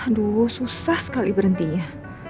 aduh susah sekali berhentinya